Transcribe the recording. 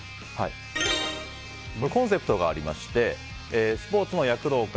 コンセプトがありましてスポーツの躍動感